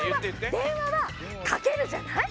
電話はかけるじゃない？